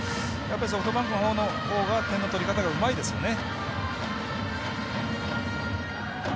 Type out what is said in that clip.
ソフトバンクのほうが点の取り方がうまいですよね。